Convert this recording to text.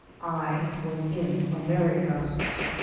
I was in America.